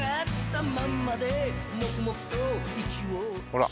ほら。